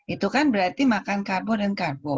itu kan berarti makan karbo dan karbo